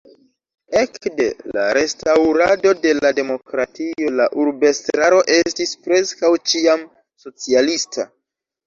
Ekde la restaŭrado de la demokratio la urbestraro estis preskaŭ ĉiam socialista.